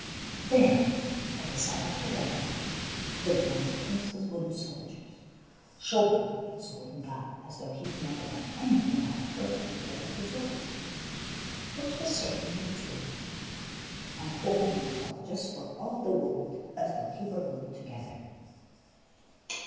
There, by the side of her bed, stood one of the Prince's wooden soldiers, shouldering his wooden gun as though he had never done anything else for the whole of his life, — which was certainly the truth, — and holding himself just for all the world as though he were glued together.